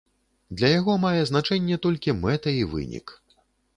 Для яго мае значэнне толькі мэта і вынік.